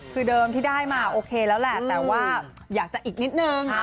คือเดิมที่ได้มาโอเคแล้วแหละแต่ว่าอยากจะอีกนิดนึง